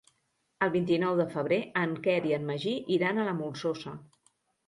El vint-i-nou de febrer en Quer i en Magí iran a la Molsosa.